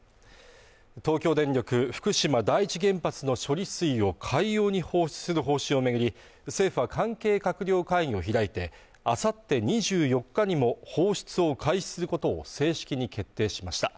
東京電力・福島第一原発の処理水を海洋に放出する方針を巡り政府は関係閣僚会議を開いてあさって２４日にも放出を開始することを正式に決定しました